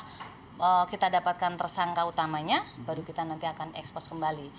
kalau kita dapatkan tersangka utamanya baru kita nanti akan ekspos kembali